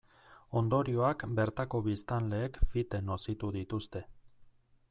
Ondorioak bertako biztanleek fite nozitu dituzte.